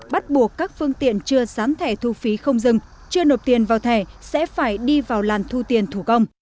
bắt buộc các phương tiện chưa sán thẻ thu phí không dừng chưa nộp tiền vào thẻ sẽ phải đi vào làn thu tiền thủ công